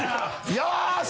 よし！